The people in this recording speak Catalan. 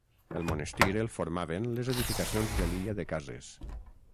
El monestir el formaven les edificacions de l'illa de cases.